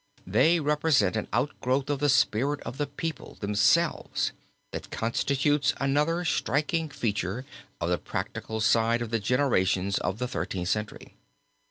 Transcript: They represent an outgrowth of the spirit of the people themselves, that constitutes another striking feature of the practical side of the generations of the Thirteenth Century.